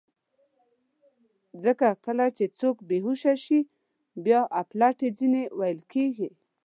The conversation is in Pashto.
ځکه کله چې څوک بېهوښه شي، بیا اپلتې ځینې ویل کېږي.